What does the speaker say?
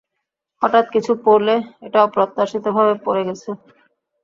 হঠাৎ কিছু পড়লে, এটা অপ্রত্যাশিতভাবে পড়ে গেছে।